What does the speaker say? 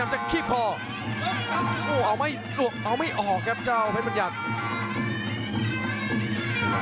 อันวัดเบียดเข้ามาอันวัดโดนชวนแรกแล้ววางแค่ขวาแล้วเสียบด้วยเขาซ้าย